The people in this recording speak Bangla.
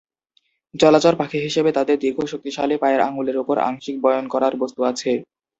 জলচর পাখি হিসেবে তাদের দীর্ঘ শক্তিশালী পায়ের আঙ্গুলের উপর আংশিক বয়ন করার বস্তু আছে।